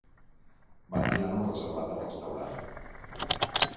Van dinar en un reservat del restaurant.